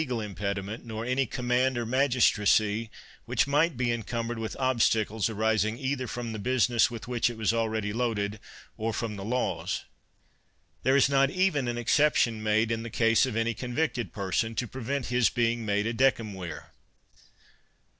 77 THE WORLD'S FAMOUS ORATIONS impediment, nor any command or magistracy, which might be encumbered with obstacles ari sing either from the business with which it was already loaded, or from the laws. There is not even an exception made in the case of any con victed person, to prevent his being made a decem vir.